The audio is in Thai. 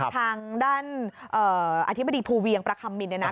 ทางด้านอธิบดีภูเวียงประคัมมินเนี่ยนะ